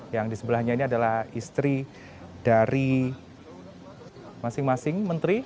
yang di sebelahnya ini adalah istri dari masing masing menteri